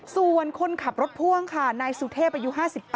ส่วนคนขับรถพ่วงค่ะนายสุเทพอายุ๕๙